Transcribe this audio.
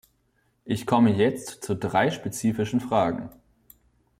Ich komme jetzt zu drei spezifischen Fragen.